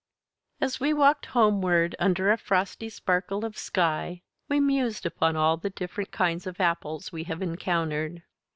As we walked homeward under a frosty sparkle of sky we mused upon all the different kinds of apples we have encountered.